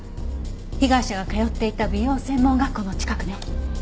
被害者が通っていた美容専門学校の近くね。